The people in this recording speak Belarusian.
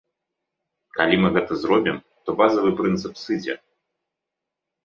Калі мы гэта зробім, то базавы прынцып сыдзе!